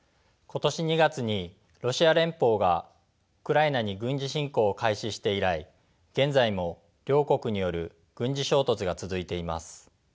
今年２月にロシア連邦がウクライナに軍事侵攻を開始して以来現在も両国による軍事衝突が続いています。